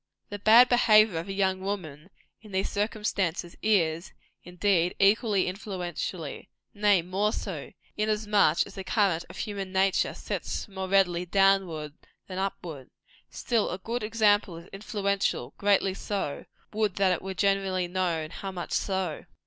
The bad behaviour of a young woman, in these circumstances, is, indeed, equally influential nay, more so, inasmuch as the current of human nature sets more readily downward than upward. Still, a good example is influential greatly so: would that it were generally known how much so!